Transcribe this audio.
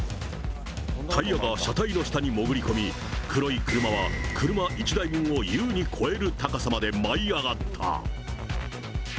タイヤは車体の下に潜り込み、黒い車は車１台分を優に超える高さまで舞い上がった。